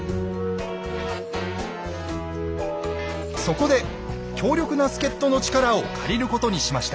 そこで協力な助っ人の力を借りることにしました。